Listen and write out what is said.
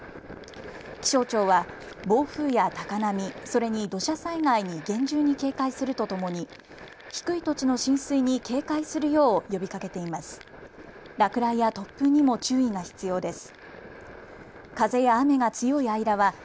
気象庁は暴風や高波、それに土砂災害に厳重に警戒するとともに低い土地の浸水に警戒するよう呼びかけています。